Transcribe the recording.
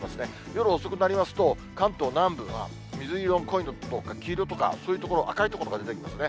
夜遅くなりますと、関東南部が水色の濃いのとか、黄色とか、そういう所、赤い所も出てきますね。